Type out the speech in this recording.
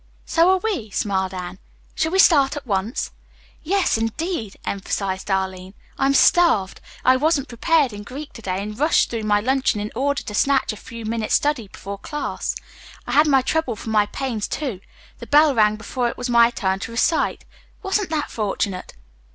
"So are we," smiled Anne. "Shall we start at once?" "Yes, indeed," emphasized Arline. "I'm starved. I wasn't prepared in Greek to day, and rushed through my luncheon in order to snatch a few minutes' study before class. I had my trouble for my pains, too. The bell rang before it was my turn to recite. Wasn't that fortunate?"